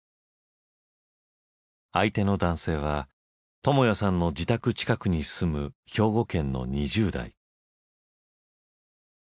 相手の男性はともやさんの自宅近くに住む兵庫県の２０代。